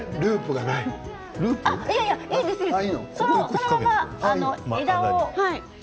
そのまま枝を。